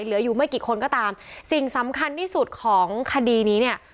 เหลืออยู่ไม่กี่คนก็ตามสิ่งสำคัญที่สุดของคดีนี้เนี่ย